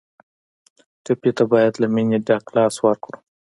ټپي ته باید له مینې ډک لاس ورکړو.